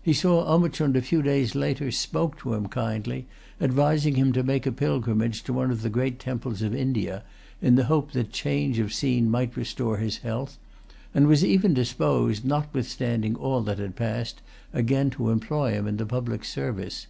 He saw Omichund a few days later, spoke to him kindly, advised him to make a pilgrimage to one of the great temples of India, in the hope that change of scene might restore his health, and was even disposed, notwithstanding all that had passed, again to employ him in the public service.